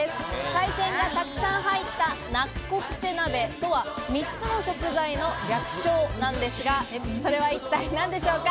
海鮮が沢山入ったナッコプセ鍋とは３つの食材の略称なんですが、それは一体何でしょうか？